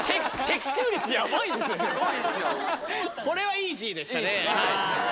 これはイージーでしたね。